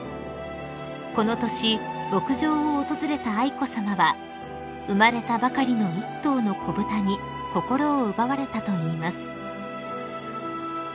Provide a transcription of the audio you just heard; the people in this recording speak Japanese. ［この年牧場を訪れた愛子さまは生まれたばかりの１頭の子豚に心を奪われたといいます］